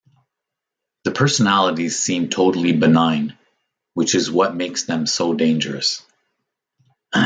The personalities seem totally benign, which is what makes them so dangerous.